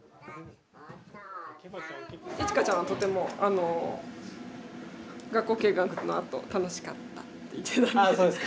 いちかちゃんはとても学校見学のあと「楽しかった」って言ってたので。